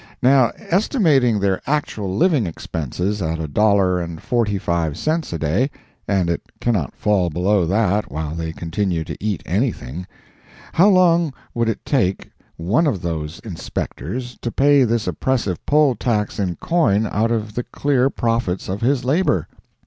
Now, estimating their actual living expenses at a dollar and forty five cents a day—and it cannot fall below that while they continue to eat anything—how long would it take one of those inspectors to pay this oppressive Poll tax in coin out of the clear profits of his labor?